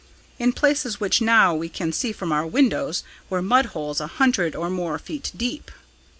In places, which now we can see from our windows, were mud holes a hundred or more feet deep.